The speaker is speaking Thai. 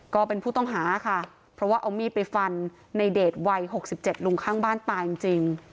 ก็เป็นผู้ต้องหาค่ะเพราะว่าเอามีดไปฟันในเดชวัย๖๗ลุงข้างบ้านตายจริง